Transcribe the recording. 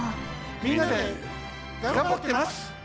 みんなでがんばってます！